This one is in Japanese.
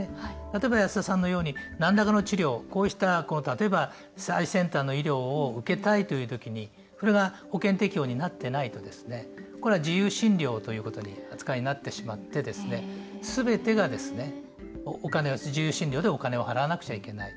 例えば安田さんのように何らかの治療、こうした例えば最先端の医療を受けたいという時にこれが保険適用になってないとこれは自由診療という扱いになってしまってすべてが自由診療でお金を払わなくちゃいけない。